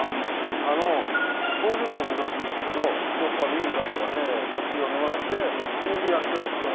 あの東尋坊目指すんですけどどっか民家とかでタクシー呼んでもらってっていうんでやってるんですけど。